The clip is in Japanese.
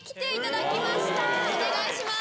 お願いします。